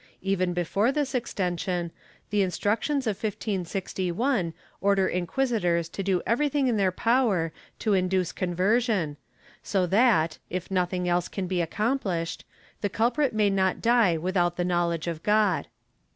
Even before this extension, the Instructions of 1561 order inquisitors to do everything in their power to induce conversion, so that, if nothing else can be accomplished, the culprit may not die without the knowledge of God.